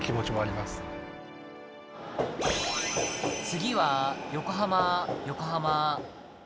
「次は横浜横浜」。